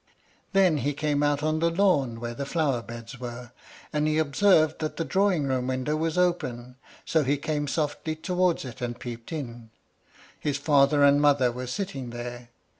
Then he came out on the lawn, where the flower beds were, and he observed that the drawing room window was open, so he came softly towards it and peeped in. His father and mother were sitting there.